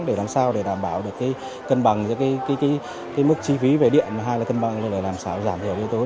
để làm sao đảm bảo cân bằng mức chi phí về điện hay là cân bằng để làm sao giảm tiểu yếu tố